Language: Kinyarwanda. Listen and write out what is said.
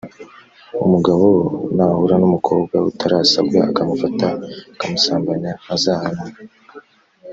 umugabo nahura n’umukobwa utarasabwa, akamufata, akamusambanya azahanwe.